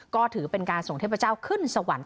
ก็ถือเป็นการส่งเทพเจ้าขึ้นสวรรค์